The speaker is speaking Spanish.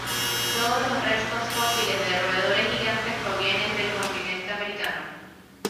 Todas los restos fósiles de roedores gigantes provienen del continente americano.